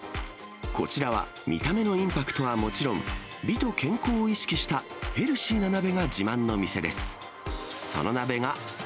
こちらは、見た目のインパクトはもちろん、美と健康を意識したヘルシーな鍋が自慢の店です。